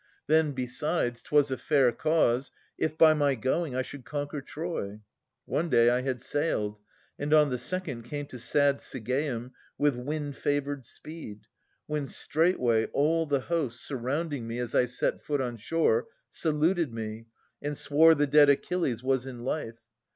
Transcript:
Then, besides, 'twas a fair cause, If, by my going, I should conquer Troy. One day I had sailed, and on the second came To sad Sigeum with wind favoured speed. When straightway all the host, surrounding me As I set foot on shore, saluted me, And swore the dead Achilles was in life.